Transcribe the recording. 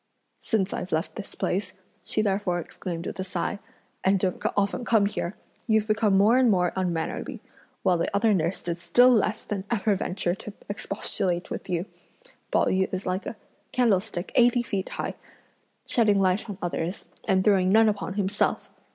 "Since I've left this place," she therefore exclaimed with a sigh, "and don't often come here, you've become more and more unmannerly; while the other nurse does still less than ever venture to expostulate with you; Pao yü is like a candlestick eighty feet high, shedding light on others, and throwing none upon himself!